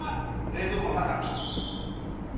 冷蔵庫の中？